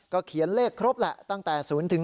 เขียนเลขครบแหละตั้งแต่๐๘